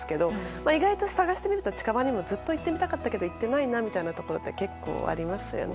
意外と、探してみると近場にもずっと行ってみたかったけど行っていないなみたいなところ結構ありますよね。